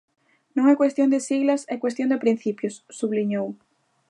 "Non é cuestión de siglas, é cuestión de principios", subliñou.